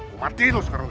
kau mati itu skarul